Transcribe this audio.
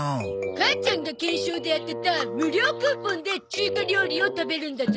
母ちゃんが懸賞で当てた無料クーポンで中華料理を食べるんだゾ。